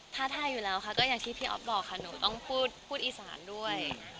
ถ้าทายอยู่แล้วค่ะก็อย่างที่พี่อ๊อฟบอกค่ะหนูต้องพูดอีสานด้วย